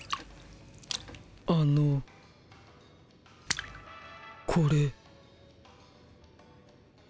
あの。これ。